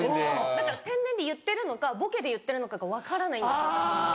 だから天然で言ってるのかボケで言ってるのかが分からないんです。